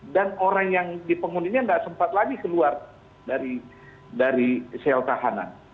dan orang yang dipengundingnya tidak sempat lagi keluar dari sel tahanan